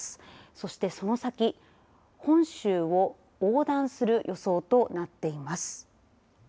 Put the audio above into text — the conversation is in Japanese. そしてその先、本州を横断する予想となっています。